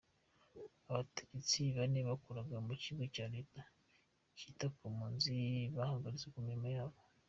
Abategetsi bane bakoraga mu kigo cya leta cyita ku mpunzi bahagaritswe ku mirimo yabo.